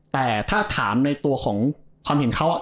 แต่ถ้าถามในตัวของความเห็นเขา